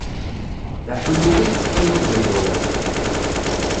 D aḥullu i tettḥulluḍ deg wawal.